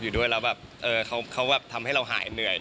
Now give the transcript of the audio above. อยู่ด้วยแล้วเขาทำให้เราหายเหนื่อย